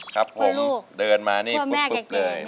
ครับผมเดินมานี่ปุ๊บเลย